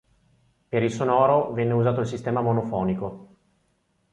Per il sonoro, venne usato il sistema monofonico.